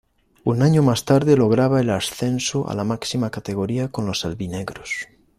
Un año más tarde lograba el ascenso a la máxima categoría con los albinegros.